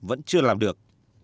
vẫn chưa làm được